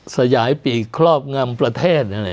สยายปีกครอบงำประเทศ